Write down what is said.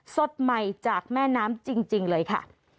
สดใหม่จากแม่น้ำจริงเลยค่ะ